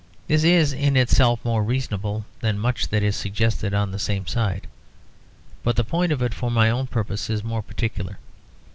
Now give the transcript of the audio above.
This is in itself more reasonable than much that is suggested on the same side; but the point of it for my own purpose is more particular.